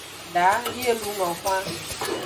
Da yi e luno xwan.